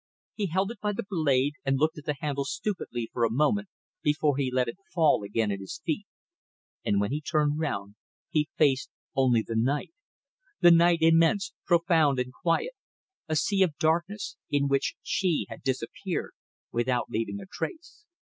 He held it by the blade and looked at the handle stupidly for a moment before he let it fall again at his feet; and when he turned round he faced only the night: the night immense, profound and quiet; a sea of darkness in which she had disappeared without leaving a trace.